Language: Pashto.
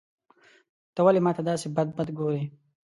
ته ولي ماته داسي بد بد ګورې.